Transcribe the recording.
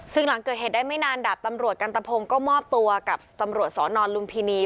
ซึ่งหลังเกิดเหตุได้ไม่นานดาบตำรวจกันตะพงก็มอบตัวกับตำรวจสอนอนลุมพินี